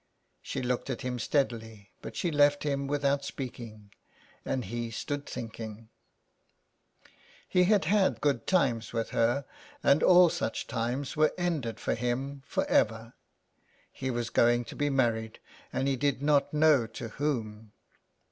She looked at him steadily, but she left him without speaking, and he stood thinking. 83 SOME PARISHIONERS. He had had good times with her, and all such times were ended for him for ever. He was going to be married and he did not know to whom.